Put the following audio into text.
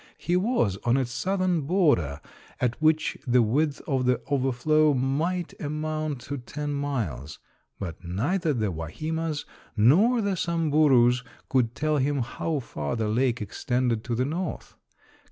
He was on its southern border, at which the width of the overflow might amount to ten miles. But neither the Wahimas nor the Samburus could tell him how far the lake extended to the north.